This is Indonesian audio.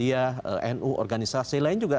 iya nu organisasi lain juga